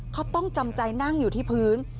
เขาต้องจำใจนั่งอยู่ที่พื้น